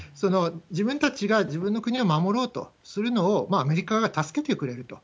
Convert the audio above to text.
自分たちが自分の国を守ろうとするのを、アメリカが助けてくれると。